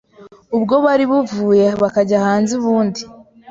ubwo bari buveyo bakajya hanze ubundi